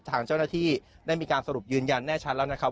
ทางเจ้าหน้าที่ได้มีการสรุปยืนยันแน่ชัดแล้วนะครับ